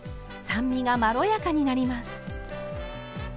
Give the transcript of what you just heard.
酸味がまろやかになります。